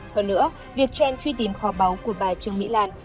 hơn nữa việc chen truy tìm kho báu của bà trương mỹ lan